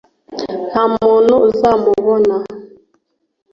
nta muntu uzamubona;